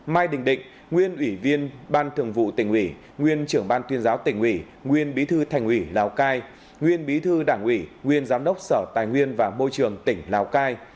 mai đình định nguyên ủy viên ban thường vụ tỉnh ủy nguyên trưởng ban tuyên giáo tỉnh ủy nguyên bí thư thành ủy lào cai nguyên bí thư đảng ủy nguyên giám đốc sở tài nguyên và môi trường tỉnh lào cai